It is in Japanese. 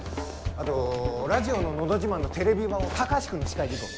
あとラジオの「のど自慢」のテレビ版を高橋君の司会でいこう。